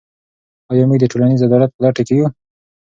آیا موږ د ټولنیز عدالت په لټه کې یو؟